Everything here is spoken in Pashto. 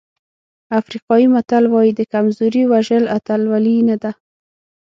افریقایي متل وایي د کمزوري وژل اتلولي نه ده.